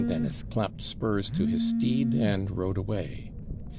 Dennis clapped spurs to his steed, and rode away.